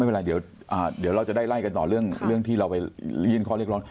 ไม่เป็นไรเดี๋ยวเราจะได้ไล่กันต่อเรื่องที่เราไปยื่นข้อเรียกร้อง